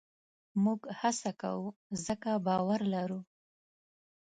موږ هڅه کوو؛ ځکه باور لرو.